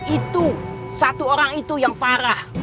itu satu orang itu yang farah